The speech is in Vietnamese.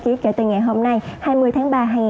viên ra à